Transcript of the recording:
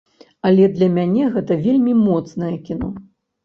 Але для мяне гэта вельмі моцнае кіно.